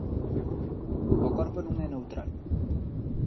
O corpo non é neutral.